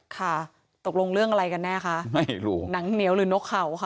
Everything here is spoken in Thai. ค่ะตกลงเรื่องอะไรกันแน่คะไม่รู้หนังเหนียวหรือนกเขาค่ะ